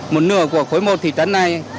một nửa của khối một thị trấn này